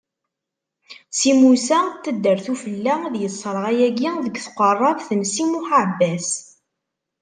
Si Musa n taddart ufella, ad isserɣ ayagi deg tqeṛṛabt n Si Muḥ Aɛebbas.